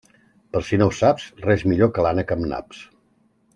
Per si no ho saps, res millor que l'ànec amb naps.